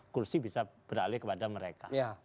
kursi bisa beralih kepada mereka